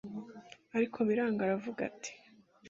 ariko biranga, aravuga ati